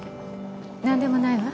何でもないわ。